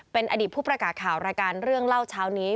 เป็นอดีตผู้ประกาศข่าวรายการเรื่องเล่าเช้านี้